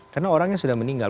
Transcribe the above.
karena orangnya sudah meninggal